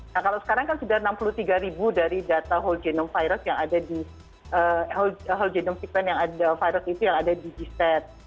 nah kalau sekarang kan sudah enam puluh tiga ribu dari data whole genome virus yang ada di g state